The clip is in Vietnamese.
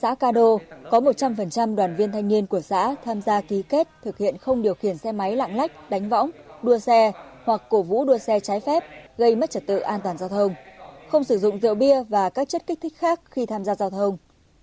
xã ca đô có một trăm linh đoàn viên thanh niên của xã tham gia ký kết thực hiện không điều khiển xe máy lạng lách đánh võng đua xe hoặc cổ vũ đua xe trái phép gây mất trật tự an toàn giao thông không sử dụng rượu bia và các chất kích thích khác khi tham gia giao thông